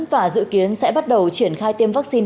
và dự kiến sẽ bắt đầu triển khai tiêm vaccine